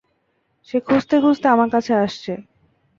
সে খুজতে খুজতে আমার কাছে আসছে।